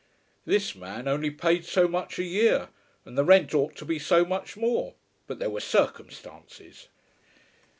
This man only paid so much a year, and the rent ought to be so much more; but there were circumstances.